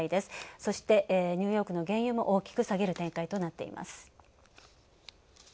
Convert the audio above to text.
そして、ニューヨークの原油も大きく下げる展開となっています。